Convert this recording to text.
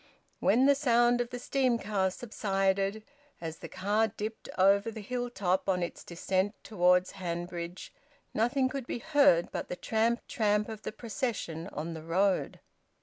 When the sound of the steam car subsided, as the car dipped over the hill top on its descent towards Hanbridge, nothing could be heard but the tramp tramp of the procession on the road.